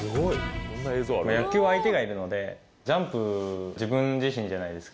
野球は相手がいるので、ジャンプ、自分自身じゃないですか。